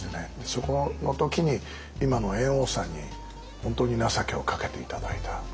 そこの時に今の猿翁さんに本当に情けをかけて頂いた。